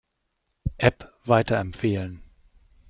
App weiterempfehlen.